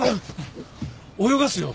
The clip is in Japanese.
泳がすよ。